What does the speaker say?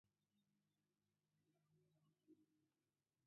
د کار په ترڅ کې د پکې تودیږي.